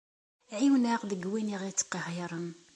Ɛiwen-aɣ deg win i ɣ-ittqehhiren.